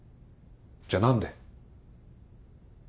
じゃあ何で？